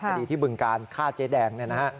คดีที่บึงการฆ่าเจ๊แดงนะครับ